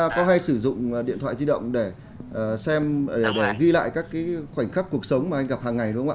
có hay sử dụng điện thoại di động để xem ghi lại các cái khoảnh khắc cuộc sống mà anh gặp hàng ngày đúng không ạ